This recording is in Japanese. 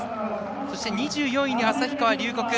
そして２４位に旭川龍谷。